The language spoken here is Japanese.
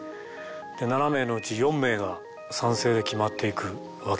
７名のうち４名が賛成で決まっていくわけなんです。